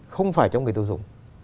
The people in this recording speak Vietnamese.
không phải cho người tiêu dùng